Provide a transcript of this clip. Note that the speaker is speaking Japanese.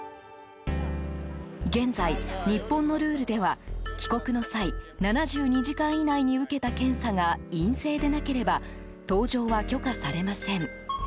現在、日本のルールでは帰国の際７２時間以内に受けた検査が陰性でなければ搭乗は許可されません。